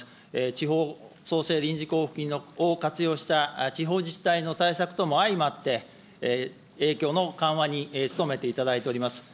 地方創生臨時交付金を活用した地方自治体の対策とも相まって、影響の緩和に努めていただいております。